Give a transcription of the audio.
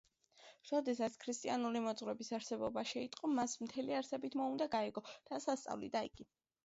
როდესაც ქრისტიანული მოძღვრების არსებობა შეიტყო, მას მთელი არსებით მოუნდა გაეგო, რას ასწავლიდა იგი.